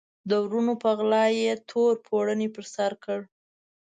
د وروڼو په غلا یې تور پوړنی پر سر کړ.